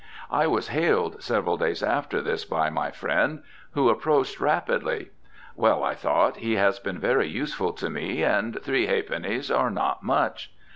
I was hailed several days after this by my friend, who approached rapidly. Well, I thought, he has been very useful to me, and three ha'pennies are not much.